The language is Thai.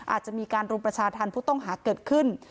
อาจจะมีการรุมประชาธรรมผู้ต้องหาเกิดขึ้น